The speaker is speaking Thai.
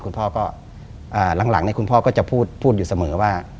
คุณพ่อก็หลังคุณพ่อก็จะพูดอยู่เสมอว่า